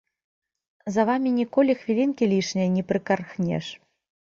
За вамі ніколі хвілінкі лішняй не прыкархнеш.